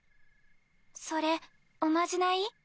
それおまじない？